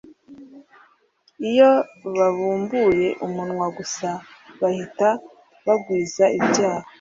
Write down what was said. Iyo babumbuye umunwa gusa bahita bagwiza ibyaha